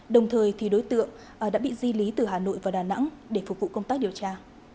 đồng thời thì đối tượng đã bị di lý từ hà nội vào đà nẵng để phục vụ công tác điều tra